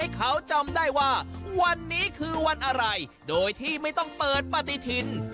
เขาจำได้ว่าวันนี้คือวันอะไรโดยที่ไม่ต้องเปิดปฏิทิน